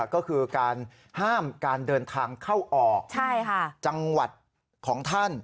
ก็คือการห้ามการเดินทางเข้าออกจังหวัดของท่าน